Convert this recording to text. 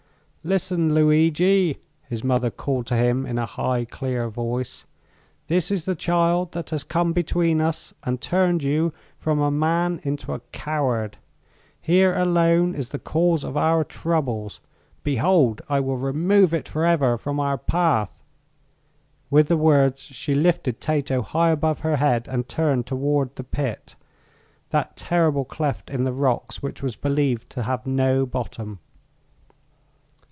"Listen, Lugui!" his mother called to him, in a dear, high voice. "This is the child that has come between us and turned you from a man into a coward. Here alone is the cause of our troubles. Behold! I will remove it forever from our path." With the words she lifted Tato high above her head and turned toward the pit that terrible cleft in the rocks which was believed to have no bottom.